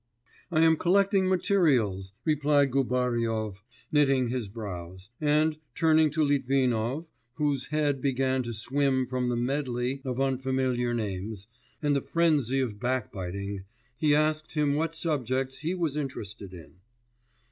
'I am collecting materials,' replied Gubaryov, knitting his brows; and, turning to Litvinov, whose head began to swim from the medley of unfamiliar names, and the frenzy of backbiting, he asked him what subjects he was interested in.